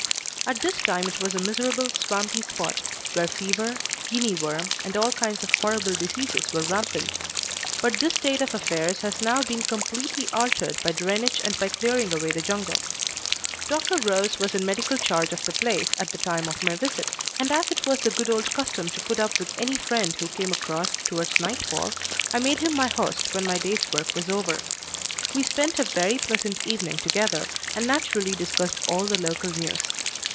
At this time it was a miserable, swampy spot, where fever, guinea worm, and all kinds of horrible diseases were rampant; but this state of affairs has now been completely altered by drainage and by clearing away the jungle. Dr. Rose was in medical charge of the place at the time of my visit, and as it was the good old custom to put up with any friend one came across towards nightfall, I made him my host when my day's work was over. We spent a very pleasant evening together, and naturally discussed all the local news.